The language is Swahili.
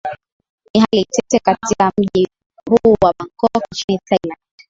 ni hali tete katika mji huu wa bangkok nchini thailand